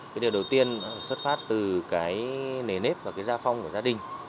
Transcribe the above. cái điều đầu tiên xuất phát từ cái nề nếp và cái gia phong của gia đình